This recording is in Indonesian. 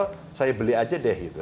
oh saya beli aja deh gitu